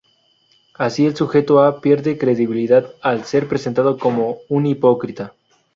Así el sujeto A pierde credibilidad al ser presentado como un hipócrita.